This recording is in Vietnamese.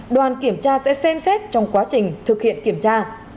đoàn kiểm tra sẽ xem xét trong quá trình thực hiện kiểm tra